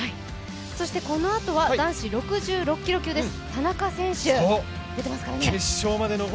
そしてこのあとは男子６６キロ級です。